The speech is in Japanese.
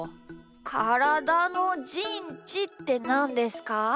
からだのじんちってなんですか？